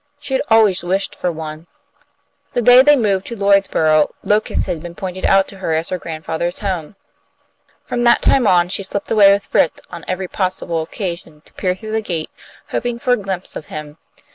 She had always wished for one. The day they moved to Lloydsborough, Locust had been pointed out to her as her grandfather's home. From that time on she slipped away with Fritz on every possible occasion to peer through the gate, hoping for a glimpse of him.